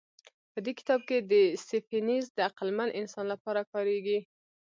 په دې کتاب کې سیپینز د عقلمن انسان لپاره کارېږي.